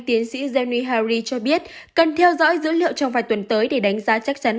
tiến sĩ jenny hari cho biết cần theo dõi dữ liệu trong vài tuần tới để đánh giá chắc chắn